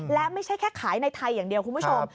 และไม่ใช่แค่ขายในไทยอย่างเดียวคุณผู้ชม